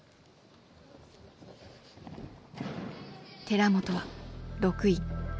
寺本は６位。